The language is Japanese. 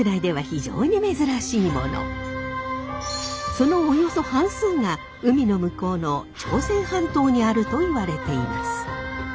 そのおよそ半数が海の向こうの朝鮮半島にあるといわれています。